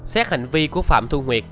xét hành vi của phạm thu nguyệt